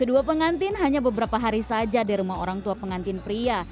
kedua pengantin hanya beberapa hari saja di rumah orang tua pengantin pria